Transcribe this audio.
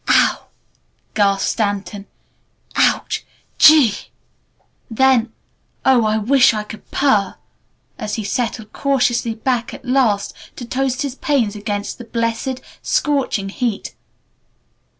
'" "OO w!" gasped Stanton. "O u c h! G e e!" then, "Oh, I wish I could purr!" as he settled cautiously back at last to toast his pains against the blessed, scorching heat.